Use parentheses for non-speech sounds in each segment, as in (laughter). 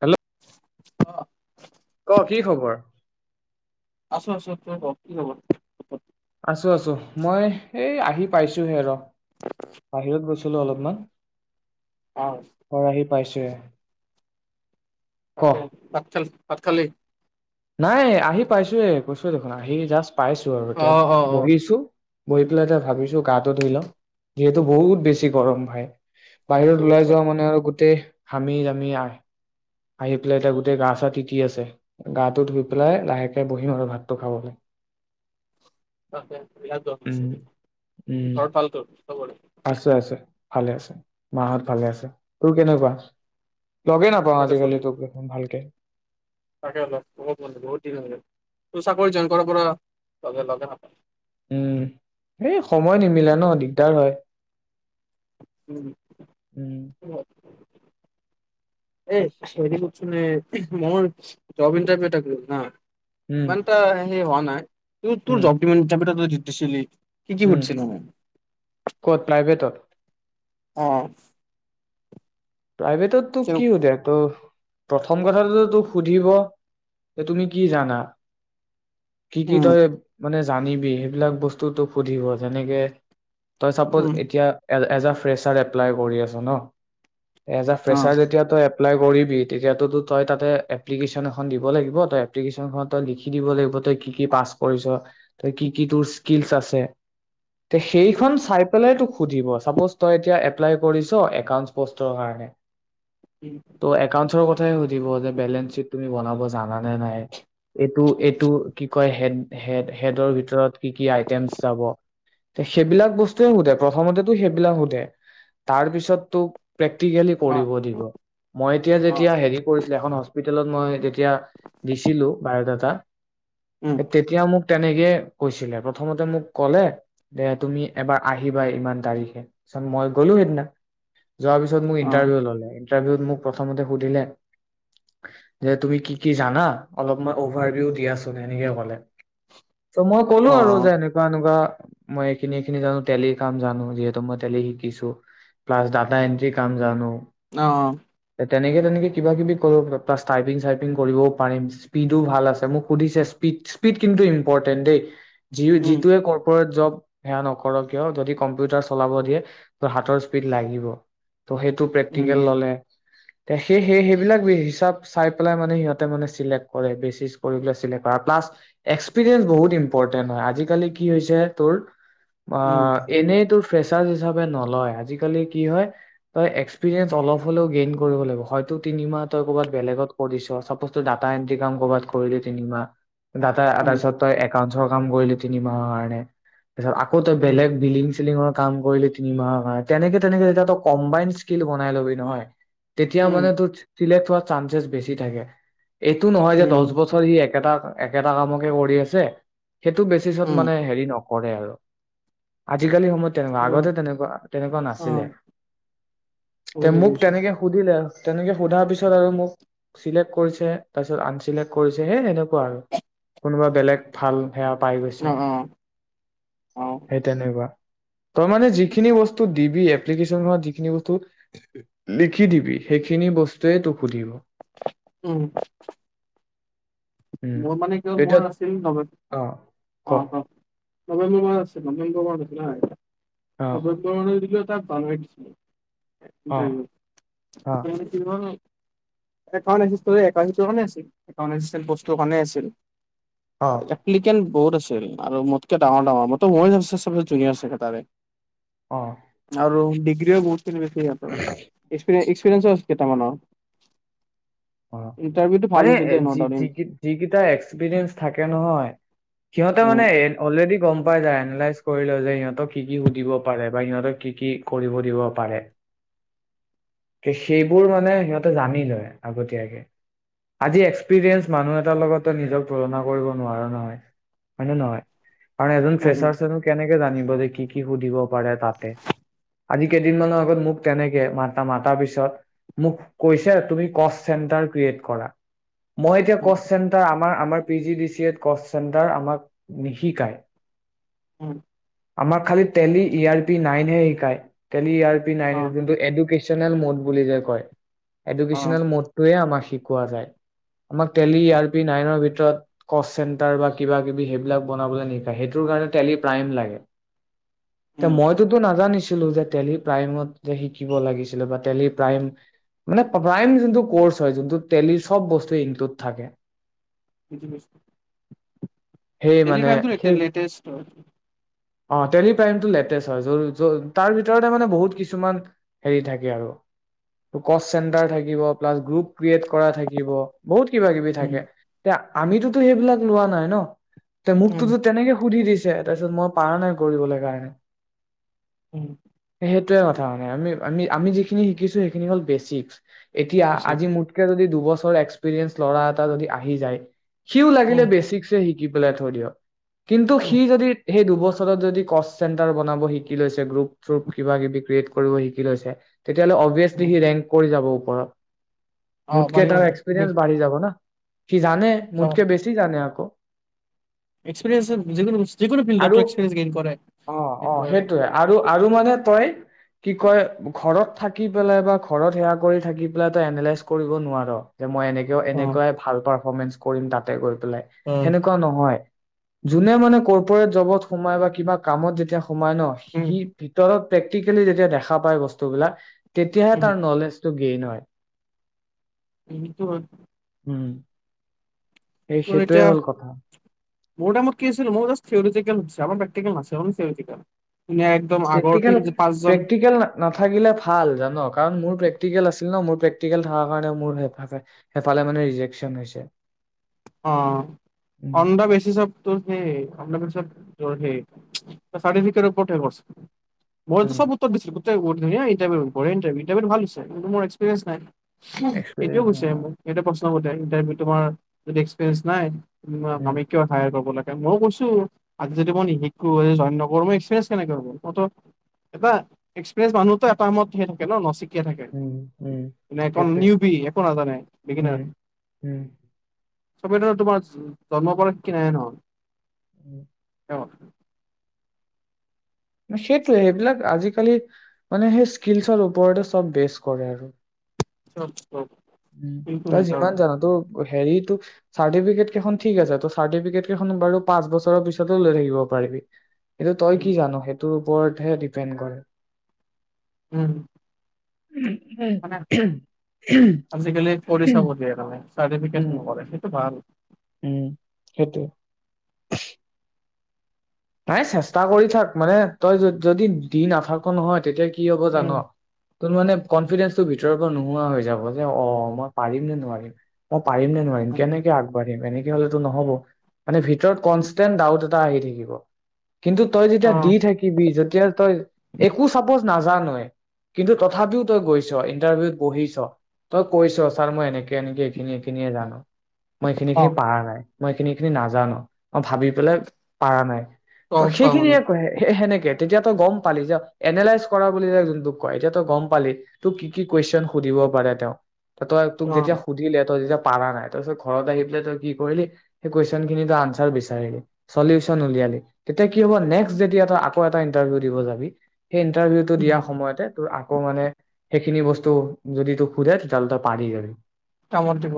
Hello অহ ক কি খবৰ আছো আছো তই ক কি খবৰ আছো আছো মই এই আহি পাইছোহে ৰ বাহিৰত গৈছিলো অলপমান অহ পাইছোঁ তাতে তাত মেল ভাত খালী নাই আহি পাইছোয়ে কৈছো দেখোন আহি জাষ্ট পাইছো আৰু এতিয়া অ' অ' অ' বহিছোঁ বৈ পেলাই এই ভাবিছো গাটো ধুই ল যিহেতু বহুত বেছি গৰম হয়াই বাহিৰত বহুত ওলাই পালো যোৱা মানে আৰু গোটেই হামি যামি আই আহি পেলাই এতিয়া গোটেই গা চা তিতি আছে গাটো ধুই পেলাই লাহেকে বহিম আৰু ভাতটো খাবলৈ উম ঘৰত ভাল তোৰ আছোঁ আছোঁ ভালে আছোঁ মাহত ভালে আছে তোৰ কেনেকুৱা লগেই নাপাওঁ তাতে চলি আজিকালি তোক দেখোন ভালকে তাকে অলপ বহুত বহুত দিন ত চাকৰি জইন কৰাৰ পৰা লগে লগে নাপাওঁ উম এই সময় নিমিলে ন দিগদাৰ হয় উম এ উম হৰিচোন মোৰ জব ইণ্টাৰভিউটা ন মানন্ত সেহ উম হোৱা নাই। তোৰ তোৰ উম জগদীব ডিচিলি উম ক'ত প্ৰাইভেতত আহ প্ৰাইভেটত তো কি হুধে প্ৰথম কথাটোত তোক সুধিব যে তুমি কি জানা কি কি উম তই মানে জানিবি সেইবিলাক বস্তুতটো সুধিব যেনেকে তই চাপ'জ উম এতিয়া এজ ফ্ৰেছচাৰ এপ্লাই কৰি আছ ন এজ আ অ ফ্ৰেচাৰ যেতিয়া তই এপ্লাই কৰিবি তেতিয়া টো তোক হয় তাতে এপ্লিকেচন এখন দিব লাগিব তই এপ্লিকেচন খনত লিখি দিব লাগিব তই কি কি পাঁচ কৰিছ কি কি তোৰ স্কিলছ আছে সেইখন চাই পেলাই তোক সুধিব চাপচ তই এতিয়া অপ্লাই কৰিছ একাওঁচ পোষ্ট কাৰণে ত' একাউঞ্চৰ কথা চাই সুধিব যে বেলেন্সচিত তুমি বনাব জনা নে নাই এইটো কি কয় হেড হেদৰ ভিতৰত কি কি আইটেম যাব সেইবিলাক বস্তুৱে হোধে প্ৰথমতে সেইবিলাক সোধে তাৰ পিছত তোক প্ৰেক্টিকেলি অ কৰিব দিব মই এতিয়া অ যেতিয়া হেৰি কৰিচিলো এখন হস্পিতেলত মই তেতিয়া দিছিলো বায়'ডাটা উম এ তেতিয়া মোক তেনেকে কৈছিলে প্ৰথমতে মোক কলে যে তুমি এবাৰ আহিবা ইমান তাৰিখে তাৰপিছত মই গ'লো সেইদিনা যোৱাৰ পিছত মোক অ ইণ্টাৰভিউ ল'লে ইণ্টাৰভিউত মোক প্ৰথমতে সুধিলে যে তুমি কি কি জানা অলপ মই অভাৰভিউ দিয়াচোন সেনেকে ক'লে ত মই কলো আৰু যে এনেকুৱা এনেকুৱা মই এইখিনি এইখিনি জানো তেলিৰ কাম জানো যিহেতু মই তেলি শিকিছো প্লাছ দা তা এণ্ট্ৰি কাম জানো অ অ তেনেকে তেনেকে কিবা কিবি কৰো প্লাছ টাইপিং চাইপিং কৰিব পাৰিম স্পীডো ভাল আছে মোক সুধিছে স্পীড স্পীড কিন্তু ইম্পৰ্টেণ্ট দেই যি যিটোৱে কৰ্পৰেট জব সেয়া নকৰক কিয় যদি কম্পিউটাৰ চলাব দিয়ে ত হাতৰ স্পীড লাগিব ত' সেইটো প্ৰেক্টিকেল ললে তে সেই সেই সেইবিলাক হিচাপ চাই পেলাই মানে সিহঁতে মানে চিলেক্ট কৰে বেচিছ কৰি পেলাই চিলেক্ট কৰে প্লাছ এক্সপিৰিয়েঞ্চ বহুত ইম্পৰটেন্ট হয় আজিকালি কি হৈছে তোৰ মা এনেইতো ফ্ৰেচাচ হিচাপে নলয় আজিকালি কি হয় তই এক্সপিৰিয়েঞ্চ অলপ হলেও গেইন কৰিব লাগিব হয়তো তিনিমাহ তই কবাত বেলেগত কৰিছ চাপোচ তই ডাটা এণ্ট্ৰি কাম কবাত কৰিলি তিনিমাহ দাদা তাৰপাছত তই এক ক্ৰাঞ্চৰ কাম কৰিলো তিনিমাহৰ কাৰণে। তাৰ পিছত আকৌ ত বেলেগ বিল্ডিং-চিল্ডিং। কাম কৰিলে তিনি মাহৰ কাৰণে তেনেকে-তেনেকে যেতিয়া তোক কম্বাইন স্কিল বনাই লবি নহয় তেতিয়া মানে তোৰ (unintelligible) চাঞ্চেছ বেছি থাকে। এইটো নহয় যে দহ বছৰ সি একেটা একেটা কামকে কৰি আছে। সেইটো বেছিছত উম মানে হেৰি ন কৰে আৰু। আ জিকালি সময়ত তেনেকুৱা। অ আগতে তেনেকুৱা- তেনেকুৱা নাছিলে। তে বুজিছো মোক বুজিছো তেনেকে সুধিলে তেনেকে সোধাৰ পিছত আৰু মোক চিলেক্ট কৰিছে, তাৰপিছত আনচিলেক্ট কৰিছে, সেই সেনেকুৱা আৰু। কোনোবা বেলেগ ভাল সেয়া পাই গৈছে, অ অ অ সেই তেনেকুৱা। তই মানে যিখিনি বস্তু দিবি এপ্লিকেশ্যনখনত সেইখিনি বস্তু লিখি দিবি। সেইখিনি বস্তুৱে তোক সুধিব। উম। উম মোৰ মানে কিয় এতিয়া মোৰ আছিল অ ক নৱেম্ব অ নৱেম্বৰ মাহত আছিল নৱেম্বৰ মাহত আছিলে হ। (unintelligible) অ সব প মানে। (unintelligible) পালহি (unintelligible) অ ইন্টাৰভিউ, অ মানে কি হ'ল তে তাৰ এছএমএছ কৰি আছে। (unintelligible) ত কাণে আছিল। অ কিলিকেন বহুত আছিল। আৰু মোতকে ডাঙৰ ডাঙৰ মইটো মই সবতছে জুনিয়ৰ ছেটাৰে অ আৰু ডিগ্ৰীও ি (inaudible) কেইটামানৰ অ ইণ্টাৰভিউটো ভাল মানে হৈছে দে ন যি দহ যি দিন যিকেইটা এক্সপিৰিয়েঞ্চ থাকে নহয়, সিহঁতে উম মানে অলৰেডি গম পাই যায় লয় যে সিহঁতক কি কি সুধিব পাৰে, বা সিহঁতক কি কি কৰিব দিব পাৰে সেইবোৰ মানে সিহঁতে জানি লয় আগতীয়াকে, আজি এক্সপিৰিয়েঞ্চ মানুহ এটাৰ লগত নিজক তুলনা কৰিব নোৱাৰা নহয়, হয় ন নহয়? আৰু এজন উম ফ্ৰেচাৰ্ছচে নো কেনেকে জানিব যে কি কি সুধিব পাৰে তাতে, আজি কেইদিন মানৰ আগত মোক তেনেকে মাতা মাতাৰ পিছত মোক কৈছে তুমি কষ্ট চেণ্টাৰ ক্ৰিয়েট কৰা মই এতিয়া উম কচ চেণ্টাৰ আমাৰ আমাৰ পি জি ডি চিএ কচ চেণ্টাৰ আমাক নিশিকায় উম আমাৰ খালি Tally E R P nine হে শিকায় Tally E R P nine অ আৰু যোনটো এডুকেশ্বন (unintelligible) চেনেল মুড বুলি যে কয় অ এডুকেশ্যনল মড এয়ে আমাক শিকোৱা যায় আমাক Tally E R P nine cost centre বা কিবা কিবি সেইবিলাক বনাবলৈ নিশিকাই সেইটোৰ কাৰণে তেলি প্ৰাইম লাগে এ উম মইতোটো নাজানিছো যে টেলি প্ৰাইমত যে শিকিব লাগিছিলে, বা টেলি প্ৰাইম মানে প্ৰাইম যোনটো কৰ্চ যোনটো টেলিৰ সব বস্তু ইনক্লুড থাকে বিজি বছ (unintelligible) সেই টেলিগ্ৰাম এ লেটেষ্ট (unintelligible) অ'টেলি প্ৰাইমটো লেটেষ্ট হয়। য' - য, ' তাৰ ভিতৰতে মানে বহুত কিছুমান হেৰি থাকে আৰু! কচ চেন্টাৰ থাকিব। প্লাছ, গ্ৰুপ ক্ৰিয়েট কৰা থাকিব। বহুত কিবা কিবি উম থাকে। এতিয়া আমিতোতো সেইবিলাক লোৱা নাই ন! তে উম মোকতোটো তেনেকে সুধি দিছে! তাৰ পিছত মই পাৰা নাই কৰিবলৈ কাৰণে। উম। সেইটোৱে কথা মানে। আম - আমি - আমি যিখিনি শিকিছো, সেইখিনি হ'ল বেচিক্স। এতিয়া হৈছে আজি মোতকে যদি দুবছৰ এক্সপিৰিয়েন্ঞ্চ ল'ৰা এটা যদি আহি যায় সিও লাগিলে উম বেচিক্সেই শিকি কি পেলাই থৈ দিয়! কিন্তু উম সি যদি সেই দুবছৰ তাপাছত, যদি কচ চেণ্টাৰ বনাব শিকি লৈছে, গ্ৰুপ চ্ৰুপ কিবা কিবি ক্ৰিয়েট কৰিব শিকি লৈছে। তেতিয়াহ'লে অবিয়াচলি উম সি ৰেংক কৰি যাব। পৰা। অ মোতকে পাৰিব তাৰ বেছ এক্সপিৰিয়েঞ্চ বাঢ়ি যাব না। সি জানে, মোতকে বেছি জানে আকৌ! (inaudible) এক্সপিৰিয়েন্ঞ্চ আছে। যিকোনো - যিকোনো আৰু ফিল্ডিতো এক্সপিৰিয়েন্ঞ্চ অ' অ' সেইটোৱে আৰু আৰু মানে তই, কি কয়! ঘৰত থাকি পেলাই বা ঘৰত সেয়া কৰি থাকি পেলাই, তই এনালাইজ কৰিব নোৱাৰ। যে মই এনেকেও, অ এনেকুৱাই ভাল পাম। পাৰফৰ্মেন্ঞ্চ কৰিম তাতে গৈ পেলাই, অ সেনেকুৱাও নহয়। যোনে মানে ক'ৰ্পৰেট জবত সোমাই বা কিবা কামত যেতিয়া সোমাই ন সি উম ভিতৰত প্ৰেক্টিকেলি যেতিয়া দেখা পায় বস্তুবিলাক তেতিয়াহে উম তাৰ নলেজ টো গেইন হয়। এইটো মানো উম। এই, সেইটোৱে এতিয়া হ'ল কথা। মোৰ টাইমত কি আছিল মোৰ জ্যাষ্ট থিয়ৰিটিকেল সুধিছে। আমাৰ প্ৰেকটিকেল নাছিল, অনলি থিয়ৰিটিকেল। ধুনীয়া একদম আগৰ তিন প্ৰেক্টিকেল পাঁচজন প্ৰেক্টিকেল নাথাকিলে ভাল জান কাৰণ মোৰ প্ৰ্ট তিকেল আছিল ন মোৰ প্ৰেকটিকেল থক কাৰণে মোৰ হেফালে মানে ৰেজেকচন হৈছে অ উম অণ্ডা বেছি চব ত অ বি চাৰিফিকেট কটেকছ। মইতো উম চব উত্তৰ দিছিলোঁ। ধুনীয়া ইণ্টাৰভিউ বঢ়িয়া ইণ্টাৰভিউ ভাল হৈছে কিন্তু মোৰ এক্পৰিয়েঞ্চ নাই সটোয়ে এক্সপিৰিয়েঞ্চ কৈছে নাই আৰু। মোৰ এইটো প্ৰশ্ন ইণ্টাৰভিউ তোমাৰ এক্সপিৰিন্ নাই উ উম আমি কিয় সহায় কৰিব লাগে মইও কৈছো আজি যদি মই নিশিকো জইন নকৰো মই এক্সপিৰিয়ঞ্চ কেনেকে হ'ব মইো এটা এক্সপিৰিয়েঞ্চ মানুহতো এটাত থাকে ন থাকে উম উম মে সেইটোৱে নিউ বি একো নাজানে বিগিনাৰ উম উম ছবি ধ তোমাৰ জন্ম পাৰ কি নাইে নহয় উম অ সেইটোৱে সেইবিলাক আজিকালি মানে সেই স্কিলচৰ ওপৰতে চব বেচ কৰে আৰু অ উম তই যিমান জান তো হেৰিত চাৰ্টিফিকেট কেই ঠিক আছে চাৰটিফিকট কেইখন বাৰু পাঁচ বছৰৰ পিছত লৈ থাকিব পাৰিবি সটো তই কি জানো সেইটো টো ওপৰতহে ডিপেণ্ড কৰে উম উ উ হয় মানে হয় উম আজিকালি কৰি চাব দিয়ে তানে চাৰ্টিফিকেশন নক সেইটো ভাল উম সেইটোৱ চি নাই চেষ্টা কৰি থাক মানে তই য যদি দি নাথাক নহয় তেতিয়া কি হ'ব জান উম, তোৰ মানে কনফিডেন্ঞ্চটো ভিতৰৰ পৰা নোহোৱা হৈ যাব যে অ মই পাৰিম নে নোৱাৰিম মই পাৰিম নে নোৱাৰিম উম। কেনেকে আগবাঢ়িম এনেকে হলেতো নহব মানে ভিতৰত কনষ্টেন্ট ডাউট এটা আহি থাকিব কিন্তু তই যেতিয়া অ দি থাকিবি যত এতিয়া তই একো চাপজ নাজানোৱে কিন্তু তথাপিও তই গৈছ ইণ্টাৰভিউত বহিছ তই কৈছ ছাৰ মই এনেকে এনেকে এইখিনিয় এইখিনিয়ে জানো মই এইখিনি খিনি অ'। পাৰা নাই মই এইখিনি এই খিনি নাজানো মই ভাবি পেলাই পাৰা নাই ত গম পাওঁ মানে সেইখিনিয়ে কৈ সেনেকে তেতিয়া তো গম পালি যো এনালাইজ কৰা বুলি যোনটোক কয় এতিয়া তই গম পালি তোক কি কি কুৱেশন সুধিব পাৰে তেওঁ তই তোক অ যেতিয়া সুধিলে তই যেতিয়া পাৰ নাই তাছত ঘৰত আহি পাই তই কি কৰিলি সেই কুৱেশ্যন খিনি আঞ্চাৰ বিচাৰি চলিচন উলিয়ালি তেতিয়া কি হ'ব নেক্সট যদি এটা আকৌ এটা ইণ্টাৰভিউ দিব যাবি সেই ইণ্টাৰভিউটো উম, দিয়াৰ সময়তে তোৰ আকৌ মানে সেইখিনি বস্তু যদি তোক সোধে তেতিয়াহ'লে তই পাৰি যাবি কামত দিব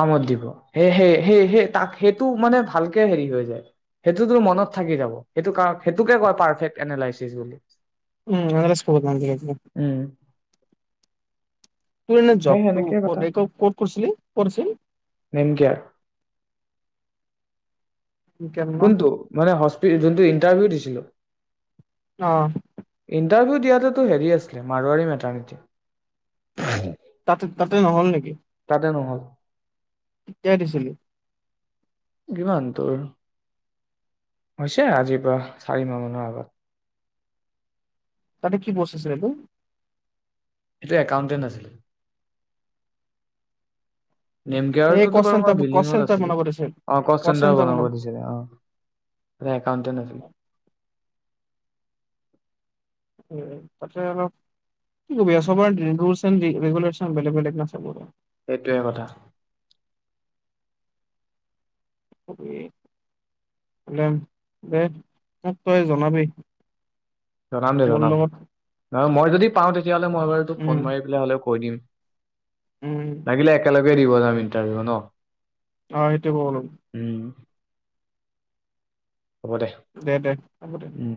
কামত দিব সে সে সে তাক সেইটো মানে ভালকে হেৰি হৈ যায় সেইটোতোৰ মনত থাকি যাব সেইটো সেইটোকে কয় পাৰফেক্ট এনলাইচিচ বুলি উম (unintelligible) আছ নান উম তোৰ এনে সেই জবটো সেনেকে কথা ক'ত, ক'ত কৰিছিলি, ক'ত আছিল? দেমকেয়াৰ কোনটো মানে হচ। যোনটো ইণ্টাৰভিউ দিছিলো। অহ ইণ্টাৰভিউ দিয়াটোতো হেৰি আছিলে মাৰোৱাৰাৰী মেটাৰ্নিটি। তাতে তাতে নহ'ল নেকি? তাতে নহ'ল। কেতিয়া দিছিলি। কিমান তোৰ হৈছে আজিৰ পৰা চাৰি মাহ মানৰ আগত। ততে কি পোষ্ট আছিল তোৰ। একাউণ্টেন আছিল এই নেমকেয়াৰতো টো কল বাৰু মই চেণ্টাৰ কল বিল্ডিঙত চেণ্টাৰ আছিলো বনাব দিছিল অ কচ চেণ্টাৰ বনাব দিছিলে অ একাউণ্টেণ্ট আছিল। (inaudible) তাতে অলপ কি কবি চবৰে এ (unintelligible) ৰেগুলেশ্যন বেলেগ বেলেগ ন চবৰে সেইটোৱে কথা। হলে দে মোক তই জনাবি। জনাম দে মোৰ জনাম লগত মই যদি পাওঁ দে তেতিয়াহ'লে মই বাৰু তোক ফোন উম, মাৰি পেলাই হ'লে কৈ দিম। উম। লাগিলে একেলগে এইটোৱেই দিব যাম ইণ্টাৰভিউ ন? অ সেইটো (unintelligible) উম দে দে হ'ব দে উম